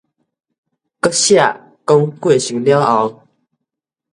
閣寫講過身了後